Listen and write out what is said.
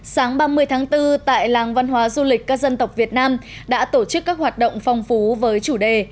sáng ba mươi tháng bốn tại làng văn hóa du lịch các dân tộc việt nam đã tổ chức các hoạt động phong phú với chủ đề